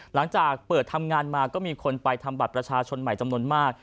หลังจากเปิดทำงานมาก็มีคนไปทำบัตรประชาชนใหม่จำนวนมาก